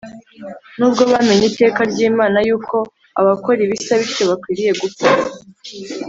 nubwo bamenye iteka ry’Imana yuko abakora ibisa bityo bakwiriye gupfa